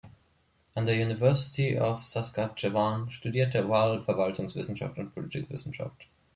An der University of Saskatchewan studierte Wall Verwaltungswissenschaft und Politikwissenschaft.